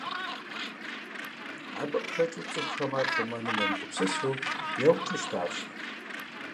Абы къыхэкӀыу цӀыхухэм ар хъумэным емыгупсысу яукӀыу щытащ.